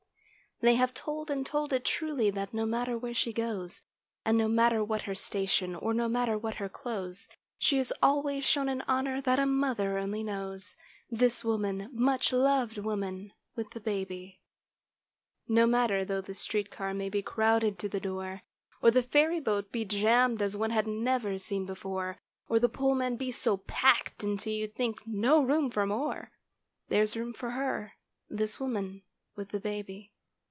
They have told, and told it truly, that no matter where she goes; And no matter what her station, or no matter what her clothes, She is always shown an honor that a mother only knows— This woman, much loved woman, with the baby. No matter though the street car may be crowded to the door Or the ferry boat be jammed as one had never seen before, Or the Pullman be so packed until you'd think no room for more— There's room for her—this woman with the baby.